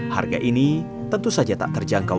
harga ini tentu saja tak terjangkau